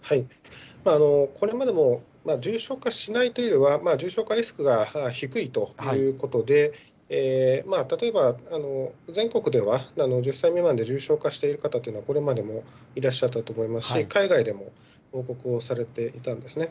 これまでも重症化しないというよりは、重症化リスクが低いということで、例えば全国では１０歳未満で重症化している方というのは、これまでもいらっしゃったと思いますし、海外でも報告をされていたんですね。